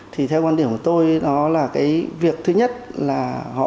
thì theo quan điểm của tôi đó là cái việc thứ nhất là họ